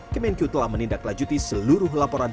kemenkyu telah menindaklanjuti seluruh laporan